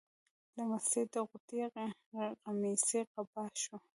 له مستۍ د غوټۍ قمیص قبا شو.